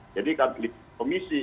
jadi kami di komisi